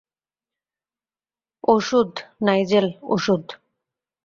ওষুধ, নাইজেল, ওষুধ।